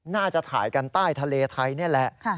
น่าจะถ่ายกันใต้ทะเลไทยนี่แหละ